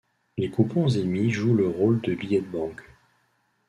Les coupons émis jouent le rôle de billets de banque.